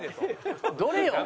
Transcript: どれよ？